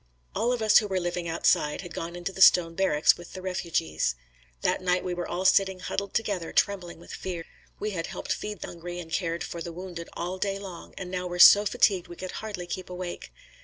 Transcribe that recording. All of us who were living outside, had gone into the stone barracks with the refugees. That night we were all sitting huddled together trembling with fear. We had helped feed the hungry and cared for the wounded all day long and now were so fatigued we could hardly keep awake.